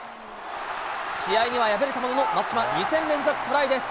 試合には敗れたものの、松島、２戦連続トライです。